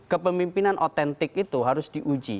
kepemimpinan otentik itu harus diuji